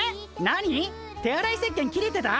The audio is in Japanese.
なに手洗いせっけん切れてた？